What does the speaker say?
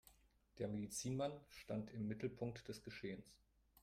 Der Medizinmann stand im Mittelpunkt des Geschehens.